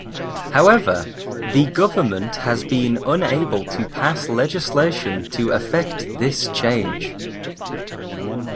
However, the government has been unable to pass legislation to effect this change.